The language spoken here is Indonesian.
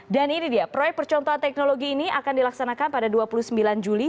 dan ini dia proyek percontohan teknologi ini akan dilaksanakan pada dua puluh sembilan juli